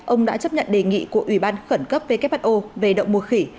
ông đã chấp nhận đề nghị của ủy ban khẩn cấp who về động mùa khỉ